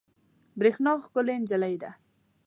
برېښنا ښکلې انجلۍ ده